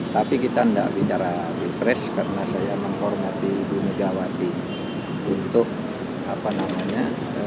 tapi kita tidak bicara pilpres karena saya menghormati ibu megawati untuk apa namanya